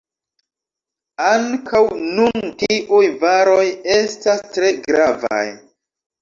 Ankaŭ nun tiuj varoj estas tre gravaj.